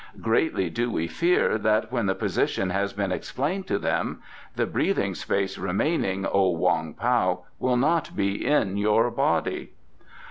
Greatly do we fear that when the position has been explained to them, the breathing space remaining, O Wong Pao, will not be in your body.